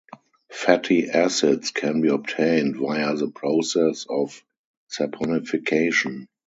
Fatty acids can be obtained via the process of saponification.